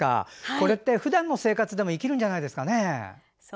これってふだんの生活でも生きるんじゃないですかね。